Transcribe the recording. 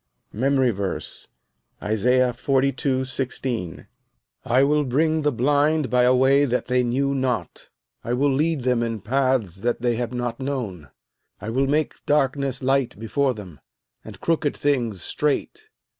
MEMORY VERSE, Isaiah 42: 16 "I will bring the blind by a way that they knew not; I will lead them in paths that they have not known: I will make darkness light before them, and crooked things straight.